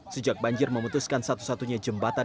sejak banjir memutuskan satu satunya jembatan